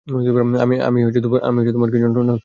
আমি-- - তোমার কি যন্ত্রণা হচ্ছে?